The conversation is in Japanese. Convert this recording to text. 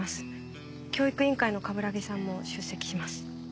教育委員会の鏑木さんも出席します。